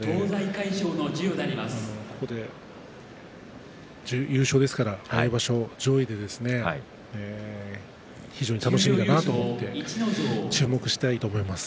ここで優勝ですからね、今場所上位で非常に楽しみだなと思っています。